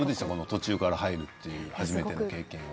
途中から入るという初めての経験は。